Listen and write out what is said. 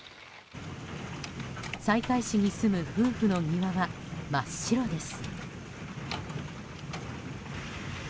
西海市に住む夫婦の庭は真っ白です。